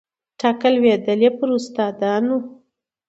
ټکه لوېدلې پر استادانو